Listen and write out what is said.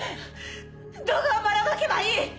動画はばらまけばいい！